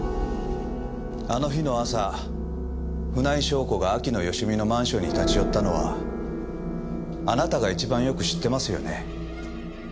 あの日の朝船井翔子が秋野芳美のマンションに立ち寄ったのはあなたが一番よく知ってますよね？